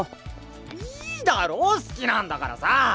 いいだろ好きなんだからさ！